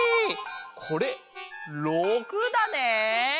これ６だね。